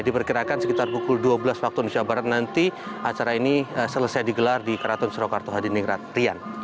diperkirakan sekitar pukul dua belas waktu indonesia barat nanti acara ini selesai digelar di keraton surakarta hadiningrat rian